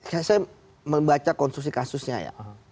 saya membaca konstruksi kasusnya ya